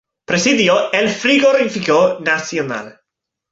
Presidió el Frigorífico Nacional.